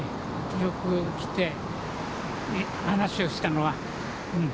よく来て話をしたのは。